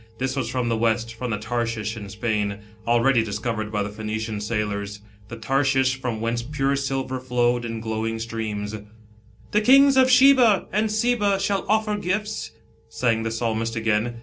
This was from th* West, from the Tarshish in Spain, 1 already dis covered by the Phoenician sailors, the Tarshish from whence pure silver flowed in glowing streams. " The kings of Sheba and Seba shall offer gifts," sang the Psalmist again.